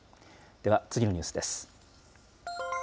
では次のニュースです。